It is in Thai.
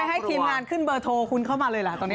เหมือนผู้ชายอะไรแบบนี้